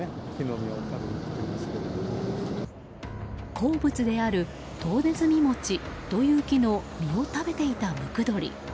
好物であるトウネズミモチという木の実を食べていたムクドリ。